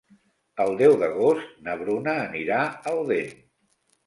El deu d'agost na Bruna anirà a Odèn.